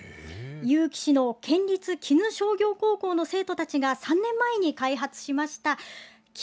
結城市の県立鬼怒商業高校の生徒たちが３年前に開発しました。